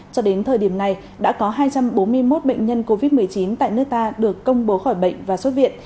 cho đến thời điểm này đã có hai trăm bốn mươi một bệnh nhân covid một mươi chín tại nước ta được công bố khỏi bệnh và xuất viện